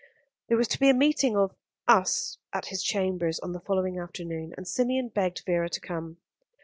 There was to be a meeting of "Us" at his chambers on the following afternoon, and Symeon begged Vera to come.